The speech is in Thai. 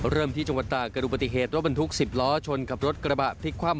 เริ่มที่จังหวัดตากเกิดดูปฏิเหตุรถบรรทุก๑๐ล้อชนกับรถกระบะพลิกคว่ำ